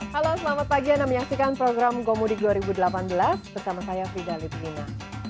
halo selamat pagi anda menyaksikan program gomudik dua ribu delapan belas bersama saya frida litwina